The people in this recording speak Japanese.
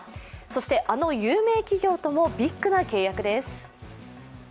そして、あの有名企業ともビッグな契約です。